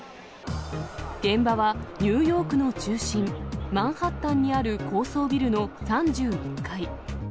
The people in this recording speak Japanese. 現場はニューヨークの中心、マンハッタンにある高層ビルの３１階。